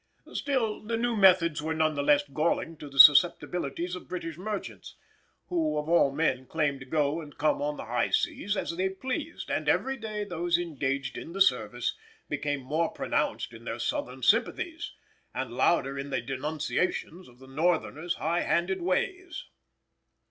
Still the new methods were none the less galling to the susceptibilities of British merchants, who of all men claimed to go and come on the high seas as they pleased, and every day those engaged in the service became more pronounced in their Southern sympathies, and louder in their denunciations of the Northerner's high handed ways.